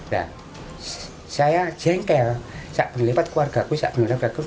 nah saya jengkel saat melipat keluarga saya saat melipat keluarga saya